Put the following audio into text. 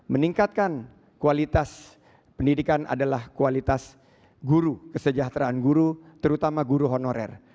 meningkatkan kualitas pendidikan adalah kualitas guru kesejahteraan guru terutama guru honorer